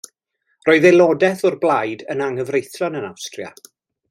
Roedd aelodaeth o'r blaid yn anghyfreithlon yn Awstria.